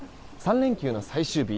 ３連休の最終日